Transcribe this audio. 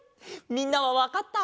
みんなはわかった？